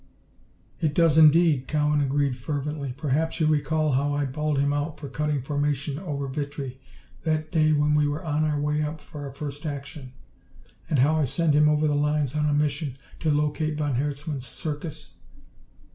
"It does indeed!" Cowan agreed fervently. "Perhaps you recall how I bawled him out for cutting formation over Vitry that day when we were on our way up for our first action? And how I sent him over the lines on a mission to locate von Herzmann's Circus?"